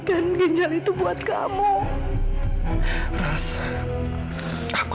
kalau kamu gugup emang dulu lagi